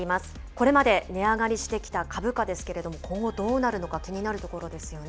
これまで値上がりしてきた株価ですけれども、今後、どうなるのか気になるところですよね。